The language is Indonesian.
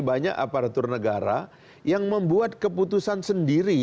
banyak aparatur negara yang membuat keputusan sendiri